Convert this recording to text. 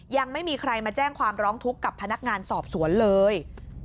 ยังไม่มีใครมาแจ้งความร้องทุกข์กับพนักงานสอบสวนเลย